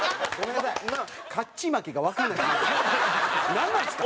なんなんですか？